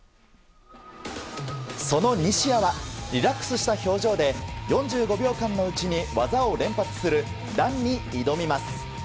その西矢はリラックスした表情で４５秒間のうちに技を連発するランに挑みます。